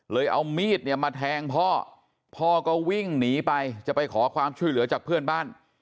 เอามีดเนี่ยมาแทงพ่อพ่อก็วิ่งหนีไปจะไปขอความช่วยเหลือจากเพื่อนบ้าน